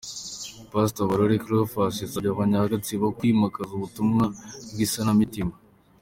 Pastor Barore Cleophas yasabye abanya Gatsibo kwimakaza ubutumwa bw'isanamitima.